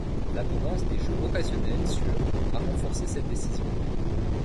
L'abondance des jeux occasionnels sur a renforcé cette décision.